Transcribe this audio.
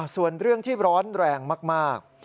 ส่วนเรื่องที่ร้อนแรงมาก